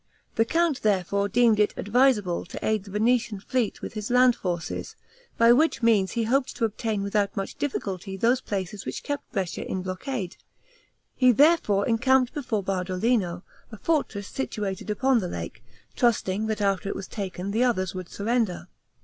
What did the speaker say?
The count therefore deemed it advisable to aid the Venetian fleet with his land forces, by which means he hoped to obtain without much difficulty those places which kept Brescia in blockade. He therefore encamped before Bardolino, a fortress situated upon the lake, trusting that after it was taken the others would surrender.